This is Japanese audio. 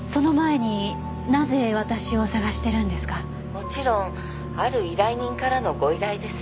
「もちろんある依頼人からのご依頼です」